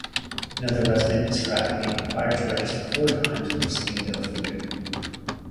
Another resident described being required to register four times and receiving no food.